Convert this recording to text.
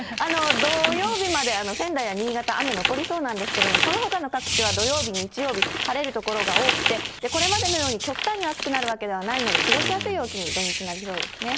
土曜日まで仙台や新潟は雨残りそうなんですけど、そのほかの各地は土曜日、日曜日、晴れる所が多くて、これまでのように極端に暑くなるわけではないので、過ごしやすい陽気に、土日なりそうですね。